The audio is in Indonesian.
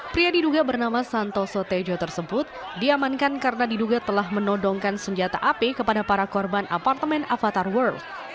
pria diduga bernama santoso tejo tersebut diamankan karena diduga telah menodongkan senjata api kepada para korban apartemen avatar world